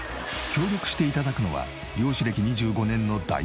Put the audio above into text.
協力して頂くのは漁師歴２５年の大ベテラン。